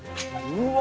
うわ。